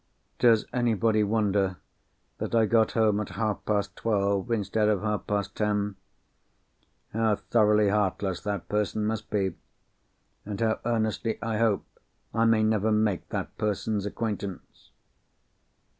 Does anybody wonder that I got home at half past twelve instead of half past ten? How thoroughly heartless that person must be! And how earnestly I hope I may never make that person's acquaintance!